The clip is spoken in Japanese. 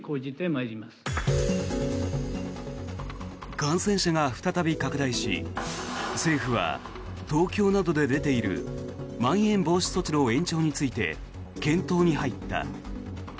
感染者が再び拡大し政府は東京などで出ているまん延防止措置の延長について検討に入った。